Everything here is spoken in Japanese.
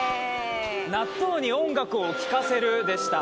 納豆に音楽を聴かせるでした。